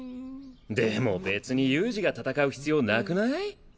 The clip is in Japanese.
でも別に悠仁が戦う必要なくない？